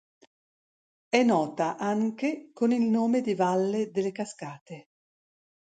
È nota anche con il nome di "valle delle cascate".